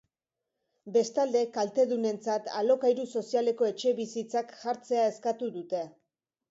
Bestalde, kaltedunentzat alokairu sozialeko etxebizitzak jartzea eskatu dute.